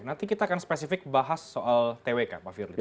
nanti kita akan spesifik bahas soal twk pak firly